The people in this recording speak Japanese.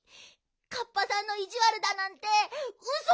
カッパさんのいじわるだなんてウソなの。